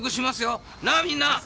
なあみんな。